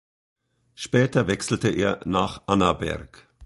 Später wechselte er nach Annaberg.